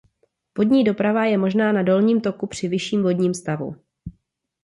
Vodní doprava je možná na dolním toku při vyšším vodním stavu.